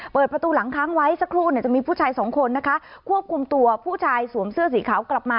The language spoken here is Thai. เปิดประตูหลังค้างไว้สักครู่เนี่ยจะมีผู้ชายสองคนนะคะควบคุมตัวผู้ชายสวมเสื้อสีขาวกลับมา